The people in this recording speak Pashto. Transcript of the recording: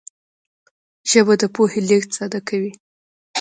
ژبه د پوهې لېږد ساده کوي